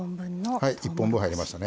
はい１本分入りましたね。